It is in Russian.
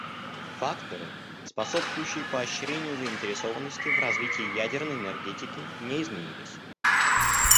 Факторы, способствующие поощрению заинтересованности в развитии ядерной энергетики, не изменились.